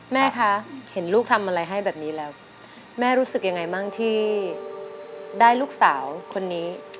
แม่คะเห็นลูกทำอะไรให้แบบนี้แล้วแม่รู้สึกยังไงบ้างที่ได้ลูกสาวคนนี้